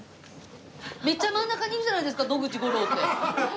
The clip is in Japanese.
めっちゃ真ん中にいるじゃないですか「野口五郎」って。